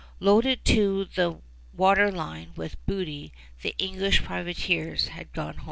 Loaded to the water line with booty, the English privateers had gone home.